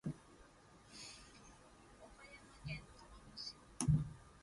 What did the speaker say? Lord Birkenhead calls the novel a "rotten apple" among Kipling's other published works.